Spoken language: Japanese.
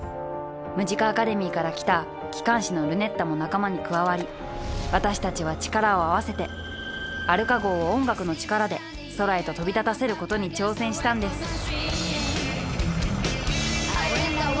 ムジカ・アカデミーから来た機関士のルネッタも仲間に加わり私たちは力を合わせてアルカ号を音楽の力で空へと飛び立たせることに挑戦したんです